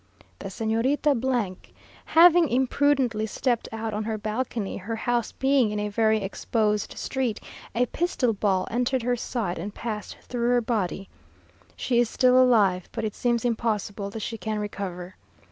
The Señorita having imprudently stepped out on her balcony, her house being in a very exposed street, a pistol ball entered her side, and passed through her body. She is still alive, but it seems impossible that she can recover.